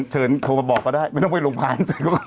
เชิญโทรมาบอกก็ได้ไม่ต้องไปหลวงพลาด